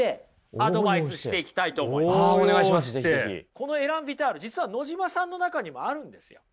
このエラン・ヴィタール実は野島さんの中にもあるんですよ。